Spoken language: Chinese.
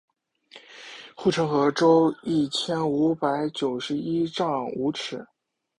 护城河周一千五百九十一丈五尺。